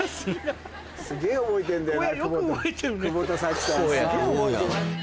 すげぇ覚えてんだよな。